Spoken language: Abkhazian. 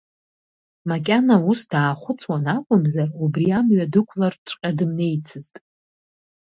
Макьана ус даахәыцуан акәымзар, убри амҩа дықәлартәҵәҟьа дымнеицызт.